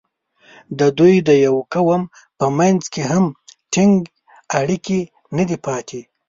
د دوی د یوه قوم په منځ کې هم ټینګ اړیکې نه دي پاتې.